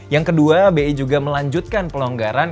yang kedua bi juga melanjutkan pelonggaran